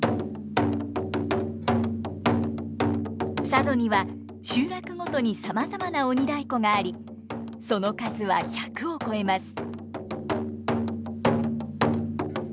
佐渡には集落ごとにさまざまな鬼太鼓がありその数は１００を超えます。